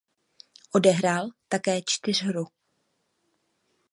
Odehrál také čtyřhru.